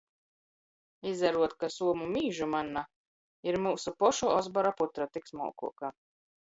Izaruod, ka suomu mīžu manna ir... myusu pošu ozbora putra! Tik smolkuoka.